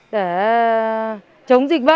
để chống dịch bệnh